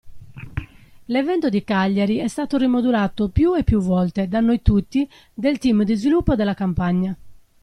L'evento di Cagliari è stato rimodulato più e più volte da noi tutti del team di sviluppo della Campagna.